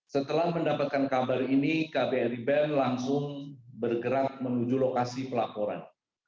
setelah mendapatkan kabar ini kbri bern langsung bergerak menuju lokasi pelaporan